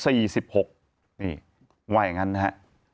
นี่ว่าอย่างนั้นนะฮะ